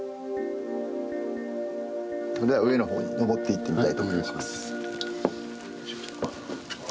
では上のほうに登っていってみたいと思います。